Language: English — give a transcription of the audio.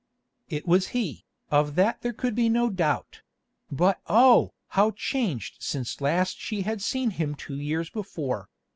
It was he, of that there could be no doubt; but oh! how changed since last she had seen him two years before.